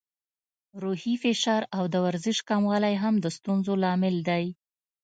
روحي فشار او د ورزش کموالی هم د ستونزو لامل دی.